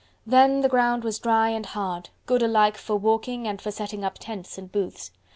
Then the ground was dry and hard, good alike for walking and for setting up tents and booths.